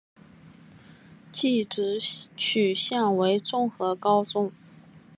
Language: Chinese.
技职取向为综合高中。